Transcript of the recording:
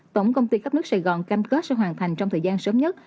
tổng công ty khắp nước sài gòn canh kết sẽ hoàn thành trong thời gian sớm nhất